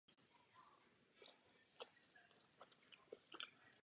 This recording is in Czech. V interiérech radnice je významným prvkem městská kaple umístěná v severozápadní části budovy.